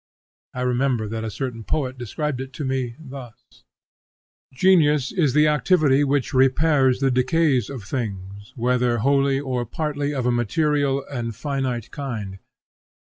I remember that a certain poet described it to me thus: Genius is the activity which repairs the decays of things, whether wholly or partly of a material and finite kind.